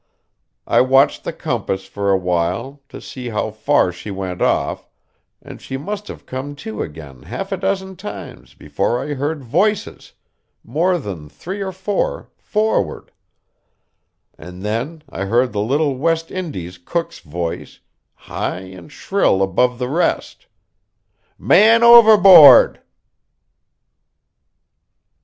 I watched the compass for a while, to see how far she went off, and she must have come to again half a dozen times before I heard voices, more than three or four, forward; and then I heard the little West Indies cook's voice, high and shrill above the rest: "Man overboard!"